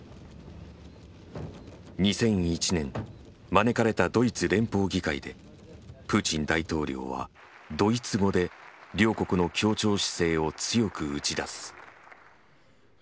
２００１年招かれたドイツ連邦議会でプーチン大統領はドイツ語で両国の協調姿勢を強く打ち出す。